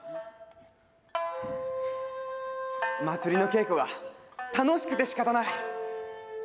祭りの稽古が楽しくてしかたない！